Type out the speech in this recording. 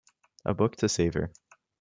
A book to savour.